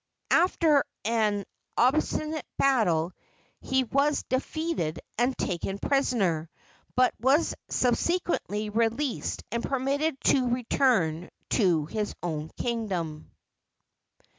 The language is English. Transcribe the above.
After an obstinate battle he was defeated and taken prisoner, but was subsequently released and permitted to return to his own kingdom.